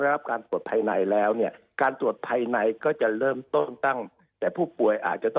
หรือเปล่า